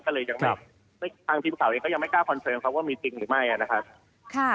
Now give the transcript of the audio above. ก็เลยยังดับทางที่ข่าวยังไม่กล้าคอนเซิร์มว่ามีจริงหรือไม่